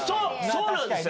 そうなんですよ！